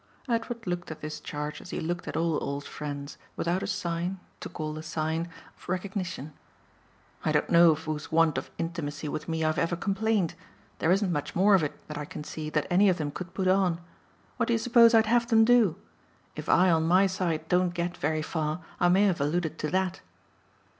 Edward looked at this charge as he looked at all old friends, without a sign to call a sign of recognition. "I don't know of whose want of intimacy with me I've ever complained. There isn't much more of it, that I can see, that any of them could put on. What do you suppose I'd have them do? If I on my side don't get very far I may have alluded to THAT."